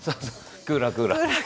クーラークーラー。